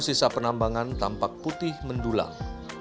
sisa penambangan tampak putih mendulang